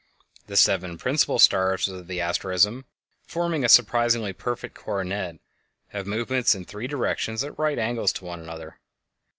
The seven principle stars of the asterism, forming a surprisingly perfect coronet, have movements in three directions at right angles to one another.